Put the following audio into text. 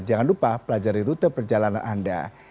jangan lupa pelajari rute perjalanan anda